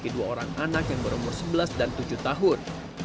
kedua orang anak yang berumur sebelas dan tujuh tahun